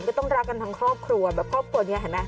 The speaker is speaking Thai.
ก็ต้องรักกันทั้งครอบครัวแบบครอบครัวนี้เห็นไหม